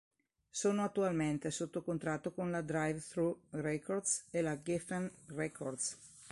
Sono attualmente sotto contratto con la Drive-Thru Records e la Geffen Records.